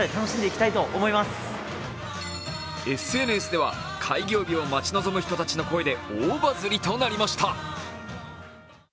ＳＮＳでは、開業日を待ち望む人たちの声で大バズりとなりました。